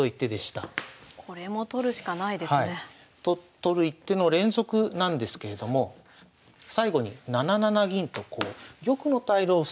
取る一手の連続なんですけれども最後に７七銀とこう玉の退路を塞ぐ手が。